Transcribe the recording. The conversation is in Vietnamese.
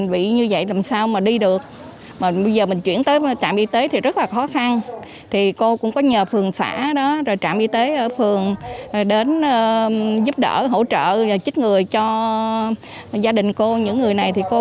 với hàng chục người